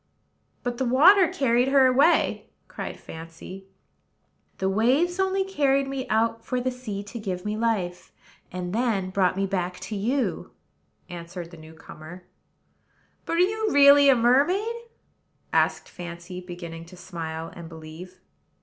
"But the water carried her away," cried Fancy. "The waves only carried me out for the sea to give me life, and then brought me back to you," answered the new comer. "But are you really a mermaid?" asked Fancy, beginning to smile and believe.